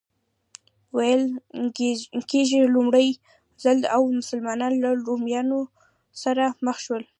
ویل کېږي لومړی ځل و مسلمانان له رومیانو سره مخ شول.